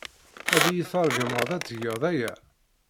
Ad iyi-tṛeggmeḍ ad tgeḍ aya?